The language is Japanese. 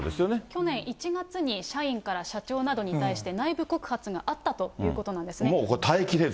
去年１月に社員から社長などに対して内部告発があったというもうこれ、耐えきれず。